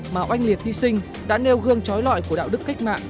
mà oanh liệt hy sinh đã nêu gương trói loại của đạo đức cách mạng